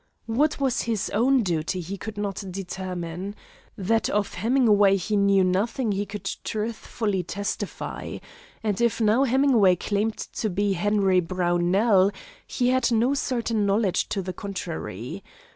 What was his own duty he could not determine. That of Hemingway he knew nothing, he could truthfully testify. And if now Hemingway claimed to be Henry Brownell, he had no certain knowledge to the contrary.